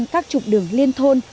một trăm linh các trục đường liên thôn